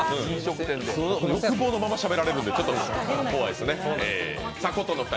欲望のまましゃべられるんでちょっと怖いですね。